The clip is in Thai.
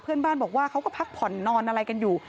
เพื่อนบ้านบอกว่าเขาก็พักผ่อนนอนอะไรกันอยู่